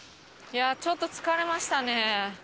ちょっと疲れましたね。